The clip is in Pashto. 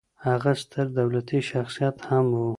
هغه ستر دولتي شخصیت هم و